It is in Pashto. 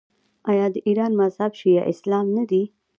آیا د ایران مذهب شیعه اسلام نه دی؟